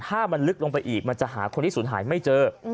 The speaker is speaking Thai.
ถ้ามันลึกลงไปอีกมันจะหาคนที่สูญหายไม่เจอ